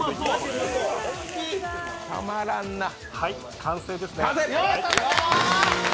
はい、完成ですね。